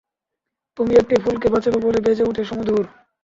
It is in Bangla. তুমি একটি ফুলকে বাঁচাবো বলে বেজে উঠ সুমধুর।